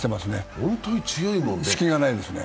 本当に強いもんね。